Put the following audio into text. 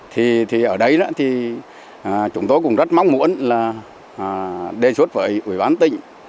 thì ở đây thì chúng tôi cũng rất mong muốn là đề xuất với ủy ban tỉnh